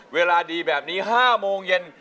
เวลาดีแบบนี้๕โมงเย็น